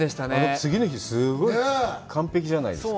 次の日、すごい完璧じゃないですか。